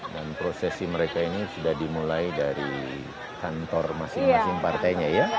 dan prosesi mereka ini sudah dimulai dari kantor masing masing partainya ya